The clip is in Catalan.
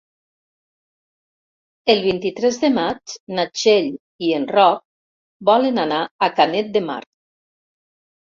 El vint-i-tres de maig na Txell i en Roc volen anar a Canet de Mar.